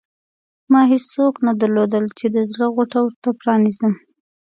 ما هېڅوک نه درلودل چې د زړه غوټه ورته پرانېزم.